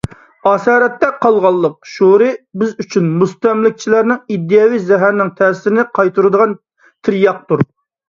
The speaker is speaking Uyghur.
«ئاسارەتتە قالغانلىق» شۇئۇرى بىز ئۈچۈن مۇستەملىكىچىلەرنىڭ ئىدىيەۋى زەھەرلىرىنىڭ تەسىرىنى قايتۇرىدىغان تىرياقتۇر.